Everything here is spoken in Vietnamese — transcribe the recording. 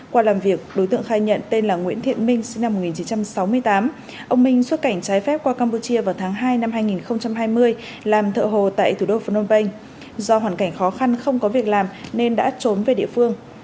qua làm việc đối tượng khai nhận tên là nguyễn thiện minh sinh năm một nghìn chín trăm sáu mươi tám ông minh xuất cảnh trái phép qua campuchia vào tháng hai năm hai nghìn hai mươi làm thợ hồ tại thủ đô phnom penh do hoàn cảnh khó khăn không có việc làm nên đã trốn về địa phương